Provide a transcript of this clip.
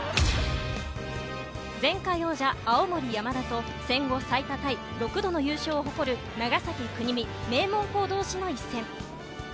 前回王者・青森山田と戦後最多タイ、６度の優勝を誇る長崎・国見、名門校同士の一戦。